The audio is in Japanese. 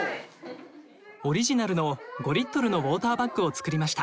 オリジナルの５リットルのウォーターバッグを作りました。